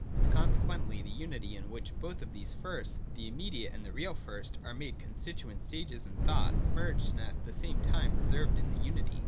It is consequently the unity in which both of these Firsts, the immediate and the real First, are made constituent stages in thought, merged, and at the same time preserved in the unity.